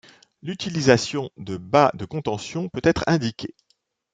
L'utilisation de bas de contention peut être indiquée.